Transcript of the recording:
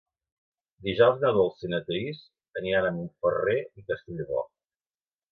Dijous na Dolça i na Thaís aniran a Montferrer i Castellbò.